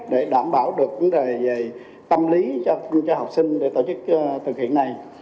để đảm bảo được tâm lý cho học sinh để tổ chức thực hiện này